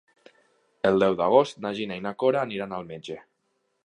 El deu d'agost na Gina i na Cora aniran al metge.